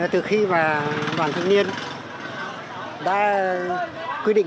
từ khi mà đoàn thượng niên đã quy định